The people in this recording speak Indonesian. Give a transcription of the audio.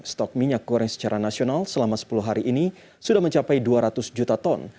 stok minyak goreng secara nasional selama sepuluh hari ini sudah mencapai dua ratus juta ton